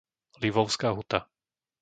Livovská Huta